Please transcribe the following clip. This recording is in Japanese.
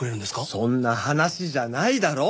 そんな話じゃないだろ！